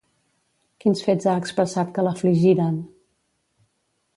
Quins fets ha expressat que l'afligiren?